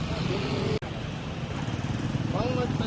สวัสดีทุกคน